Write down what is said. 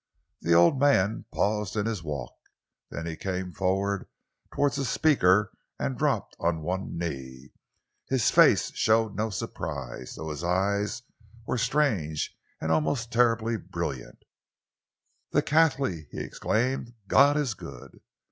The old man paused in his walk. Then he came forward towards the speaker and dropped on one knee. His face showed no surprise, though his eyes were strange and almost terribly brilliant. "The Cathley!" he exclaimed. "God is good!"